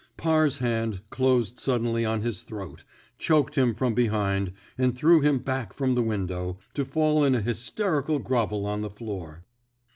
Parr's hand closed suddenly on his throat, choked him from behind, and threw him back from the window, to fall in a hysteric grovel on the floor.